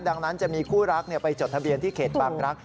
ดังนั้นจะมีคู่รักไปจดทะเบียนที่เขตบางรักษ